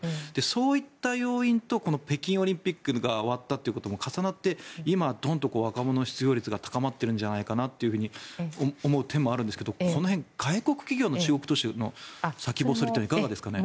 そういった要因や北京オリンピックが終わったことも重なって今、ドンと若者の失業率が高まっているんじゃないかと思う点もあるんですが外国企業の中国投資の先細りというのはいかがですかね。